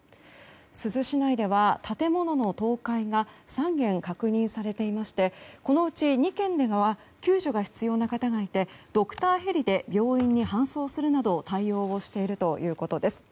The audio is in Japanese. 珠洲市内では建物の倒壊が３軒確認されていましてこのうち２軒では救助が必要な方がいてドクターヘリで病院に搬送するなど対応しているということです。